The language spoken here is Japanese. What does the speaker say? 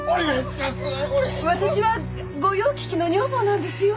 私は御用聞きの女房なんですよ。